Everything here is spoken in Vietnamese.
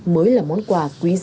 mới là món quà quý giá